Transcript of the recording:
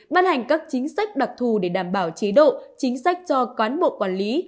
ban hành các chính sách đặc thù để đảm bảo chế độ chính sách cho cán bộ quản lý